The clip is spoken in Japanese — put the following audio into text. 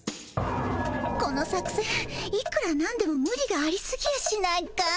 この作せんいくらなんでもムリがありすぎやしないかい？